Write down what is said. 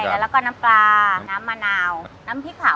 แล้วก็น้ำปลาน้ำมะนาวน้ำพริกเผา